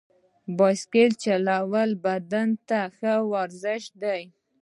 بایسکل چلول بدن ته ښه ورزش دی.